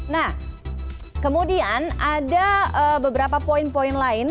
nah kemudian ada beberapa poin poin lain